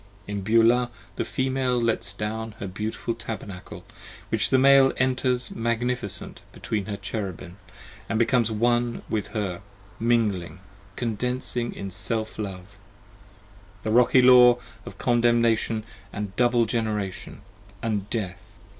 In Beulah the Female lets down her beautiful Tabernacle, 35 Which the Male enters magnificent between her Cherubim, And becomes One with her, mingling, condensing in Self love, The Rocky law of Condemnation & double Generation, & Death.